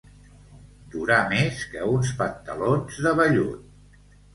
Durar més que uns pantalons de vellut.